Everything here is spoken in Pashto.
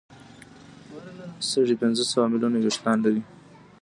سږي پنځه سوه ملیونه وېښتان لري.